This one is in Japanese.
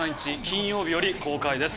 金曜日より公開です。